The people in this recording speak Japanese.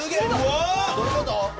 どういうこと！？